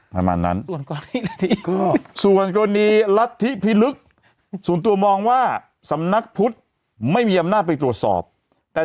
ประมาณนั้นส่วนกรณีรัฐธิพิลึกส่วนตัวมองว่าสำนักพุทธ